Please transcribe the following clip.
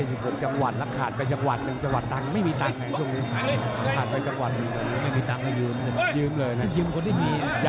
ลูกหนักที่ได้เลยนะเบ๊บเบ๊สเล็ก